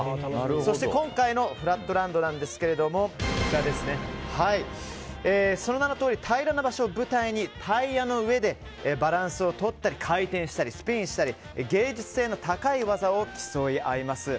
そして、今回のフラットランドなんですがその名のとおり平らな場所を舞台にタイヤの上でバランスをとったり回転したりスピンしたり、芸術性の高い技を競い合います。